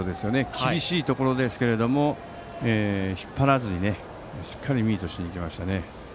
厳しいところでしたけど引っ張らずにしっかりミートしに行きました。